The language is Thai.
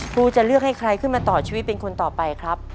ครูจะเลือกให้ใครขึ้นมาต่อชีวิตเป็นคนต่อไปครับ